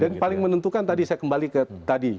dan paling menentukan tadi saya kembali ke tadi